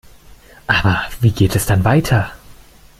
Aber wie geht es dann weiter?